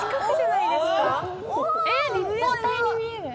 立方体に見える。